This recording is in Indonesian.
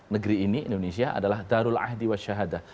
negeri ini indonesia adalah darul ahdi wa syahadah